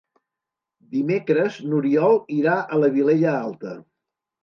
Dimecres n'Oriol irà a la Vilella Alta.